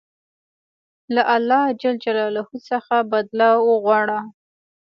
له الله ج څخه بدله وغواړه.